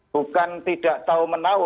bukan tidak tahu menau